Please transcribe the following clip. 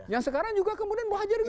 yang sekarang juga kemudian bohajarin